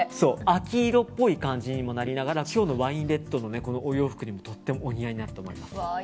秋色っぽい感じにもなりながら今日のワインレッドのお洋服にもとってもお似合いになると思います。